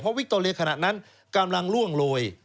เพราะวิคโตเรียขนาดนั้นกำลังร่วงโรย